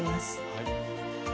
はい。